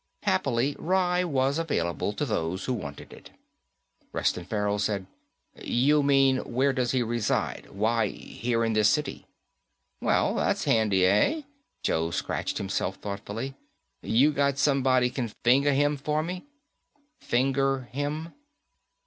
Happily, rye was available to those who wanted it. Reston Farrell said, "You mean, where does he reside? Why, here in this city." "Well, that's handy, eh?" Joe scratched himself thoughtfully. "You got somebody can finger him for me?" "Finger him?"